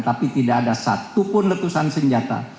tapi tidak ada satupun letusan senjata